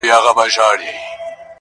هفتې وورسته خپل نصیب ته ورتسلیم سو -